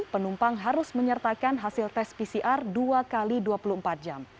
penumpang harus menyertakan hasil tes pcr dua x dua puluh empat jam